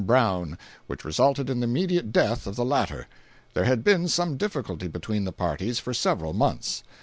Brown, which resulted in the immediate death of the latter. There had been some difficulty between the parties for several months.